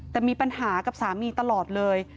แต่มีปัญหากับสามีตลอดเลย